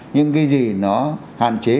những cái gì nó hạn chế